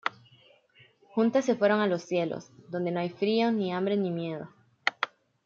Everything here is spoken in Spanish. Juntas se fueron a los cielos, donde no hay frío, ni hambre ni miedo.